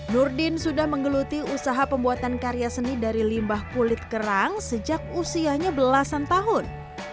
nurdin sudah menggeluti usaha pembuatan karya seni dari limbah kulit kerang sejak usianya belasan tahun